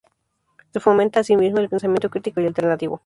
Se fomenta, asimismo, el pensamiento crítico y alternativo.